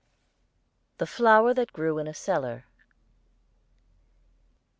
THE FLOWER THAT GREW IN A CELLAR.